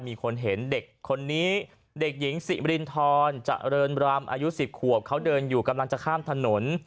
มีคนเห็นเด็กคนนี้เด็กหญิงสิมรินทรเจริญรำอายุ๑๐ขวบเขาเดินอยู่กำลังจะข้ามถนน